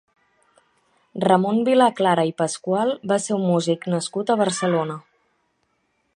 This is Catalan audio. Ramon Vilaclara i Pascual va ser un músic nascut a Barcelona.